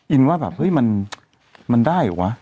อินว่ามันได้หรือวะ